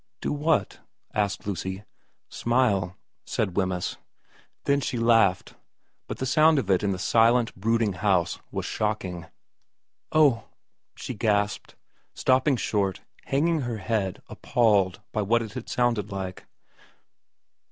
* Do what ?' asked Lucy. 30 VERA m ' Smile,' said Wemyss. Then she laughed ; but the sound of it in the silent, brooding house was shocking. ' Oh,' she gasped, stopping short, hanging her head appalled by what it had sounded like.